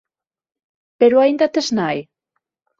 Pero aínda tes nai?